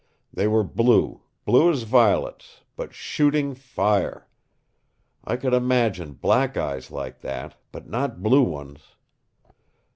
They were blue blue as violets but shooting fire. I could imagine black eyes like that, but not blue ones.